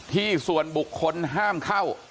ที่ส่วนบุคคลห้ามเข้า